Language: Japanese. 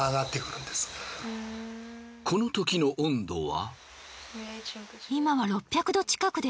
このときの温度は。